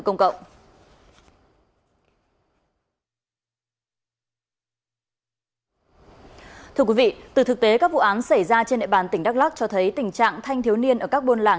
ném đá đập bàn